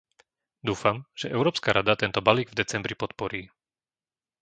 Dúfam, že Európska rada tento balík v decembri podporí.